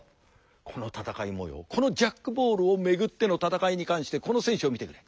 この戦いもようこのジャックボールを巡っての戦いに関してこの選手を見てくれ。